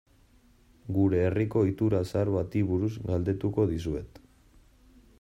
Gure herriko ohitura zahar bati buruz galdetuko dizuet.